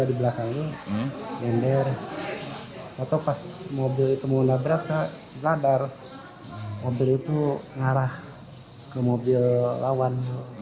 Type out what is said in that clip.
itu ngarah ke mobil lawan